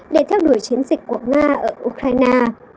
để theo đuổi chiến dịch của nga ở ukraine